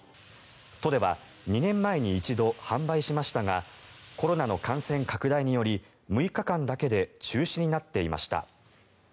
都では２年前に一度、販売しましたがコロナの感染拡大により６日間だけで中止になっていました。